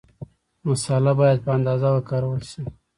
مساله باید په اندازه وکارول شي.